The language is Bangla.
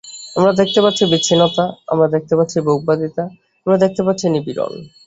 আমার দেখতে পাচ্ছি বিচ্ছিন্নতা, আমরা দেখতে পাচ্ছি ভোগবাদিতা, আমরা দেখতে পাচ্ছি নিপীড়ন।